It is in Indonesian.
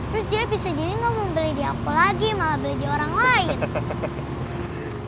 terus dia bisa jadi mau beli di aku lagi malah beli orang lain